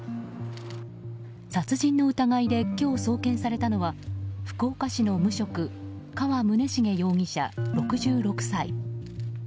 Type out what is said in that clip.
殺人の疑いで今日送検されたのは福岡市の無職河宗重容疑者、６６歳。